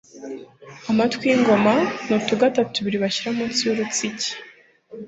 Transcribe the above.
Amatwi y'Ingoma :ni utugata tubiri, bashyira munsi y'urutsike